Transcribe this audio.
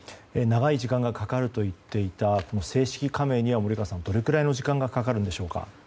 長い時間がかかると言っていた正式加盟には森川さん、どれくらいの時間がかかるんでしょうか。